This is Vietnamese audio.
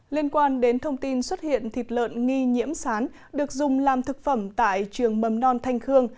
liên quan đến thông tin xuất hiện thịt lợn nghi nhiễm sán được dùng làm thực phẩm tại trường mầm non thanh khương